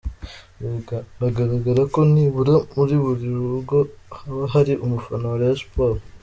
Bigaragara ko nibura muri buri rugo haba hari umufana wa Rayon sports.